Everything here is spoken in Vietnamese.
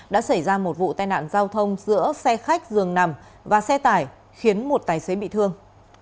đã xảy ra một vụ tai nạn giao thông giữa xe khách dường nằm và xe tải khiến một tài xế bị thương